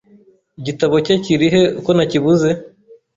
"Igitabo cye kiri he ko nakibuze